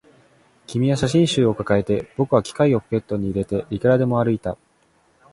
君は写真集を抱えて、僕は機械をポケットに入れて、いくらでも歩いた